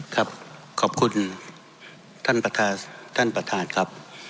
ขอบคุณท่านประธานครับ